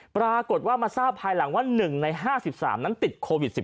ปรากฏว่ามาทราบภายหลังว่า๑ใน๕๓นั้นติดโควิด๑๙